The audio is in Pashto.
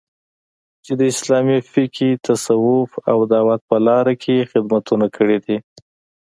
چې د اسلامي فقې، تصوف او دعوت په لاره کې یې خدمتونه کړي دي